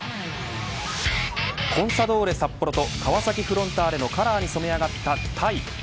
コンサドーレ札幌と川崎フロンターレのカラーに染め上がったタイ。